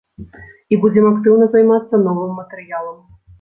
І будзем актыўна займацца новым матэрыялам.